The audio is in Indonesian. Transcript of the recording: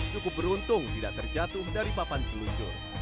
cukup beruntung tidak terjatuh dari papan seluncur